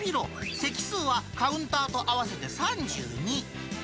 席数はカウンターと合わせて３２。